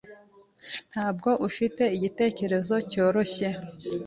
Ntabwo mfite igitekerezo cyoroshye.